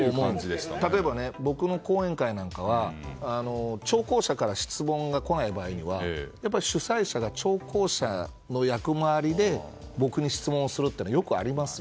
例えば僕の講演会なんかは聴講者から質問が来ない場合は主催者が聴講者の役回りで僕に質問をするというのはよくありますよ。